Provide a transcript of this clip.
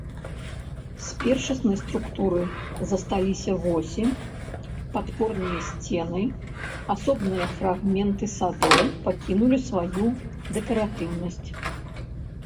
З першаснай структуры засталіся восі, падпорныя сцены, асобныя фрагменты садоў пакінулі сваю дэкаратыўнасць.